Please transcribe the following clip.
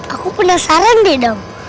aku penasaran deh dam